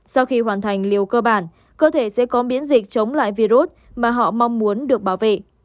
sau khi hoàn thành liều cơ bản cơ thể sẽ có miễn dịch chống lại virus mà họ mong muốn được bảo vệ